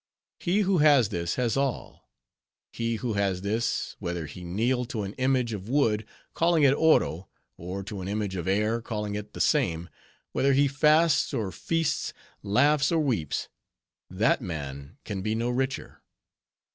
He who has this, has all. He who has this, whether he kneel to an image of wood, calling it Oro; or to an image of air, calling it the same; whether he fasts or feasts; laughs or weeps;—that man can be no richer.